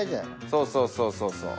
そうそうそうそうそう。